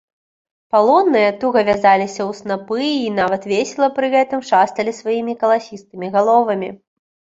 Палонныя туга вязаліся ў снапы й нават весела пры гэтым шасталі сваімі каласістымі галовамі.